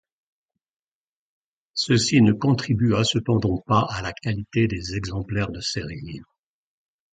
Ceci ne contribua cependant pas à la qualité des exemplaires de série.